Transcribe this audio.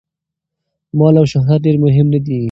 مال او شهرت ډېر مهم نه دي.